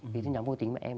vì cái nhóm vô tính mà em